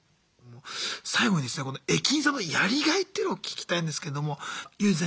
最後にですね駅員さんのやりがいっていうのを聞きたいんですけどもユージさん